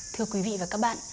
thưa quý vị và các bạn